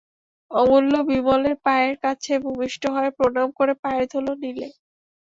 অমূল্য বিমলের পায়ের কাছে ভূমিষ্ঠ হয়ে প্রণাম করে পায়ের ধুলো নিলে।